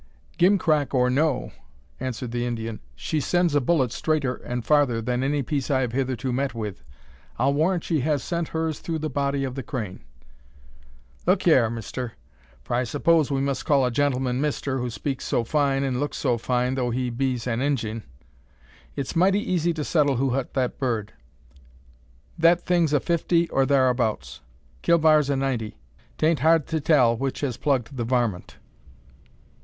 "Gimcrack or no," answered the Indian, "she sends a bullet straighter and farther than any piece I have hitherto met with. I'll warrant she has sent hers through the body of the crane." "Look hyar, mister for I s'pose we must call a gentleman `mister' who speaks so fine an' looks so fine, tho' he be's an Injun it's mighty easy to settle who hut the bird. That thing's a fifty or tharabouts; Killbar's a ninety. 'Taint hard to tell which has plugged the varmint.